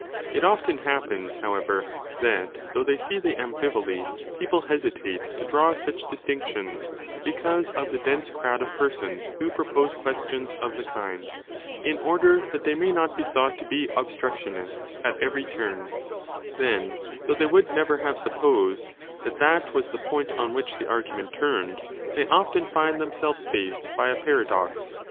It often happens, however, that, though they see the amphiboly, people hesitate to draw such distinctions, because of the dense crowd of persons who propose questions of the kind, in order that they may not be thought to be obstructionists 35 at every turn : then, though they would never have sup posed that that was the point on which the argument turned, they often find themselves faced by a paradox.